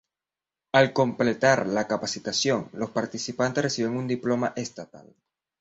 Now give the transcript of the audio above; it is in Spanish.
Al completar la capacitación, los participantes reciben un diploma estatal.